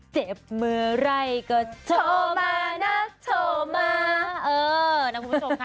เจ็บเมื่อไรก็โฉม่านะโฉม่า